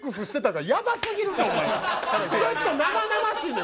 ちょっと生々しいねん。